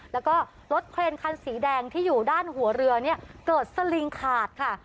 แล้วก็รถเครนคันสีแดงที่อยู่ด้านหัวเรือเนี่ยเกิดสลิงขาดค่ะ